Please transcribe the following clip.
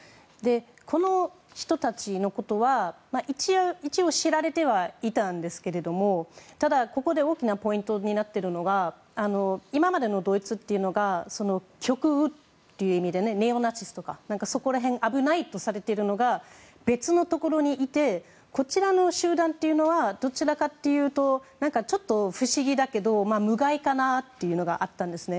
この人たちのことは一応知られてはいたんですがただ、ここで大きなポイントになっているのが今までのドイツというのが極右という意味でネオナチスとかそこら辺危ないとされているのが別のところにいてこちらの集団というのはどちらかというとちょっと不思議だけど無害かなというのがあったんですね。